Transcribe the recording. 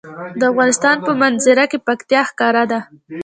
د افغانستان په منظره کې پکتیا ښکاره ده.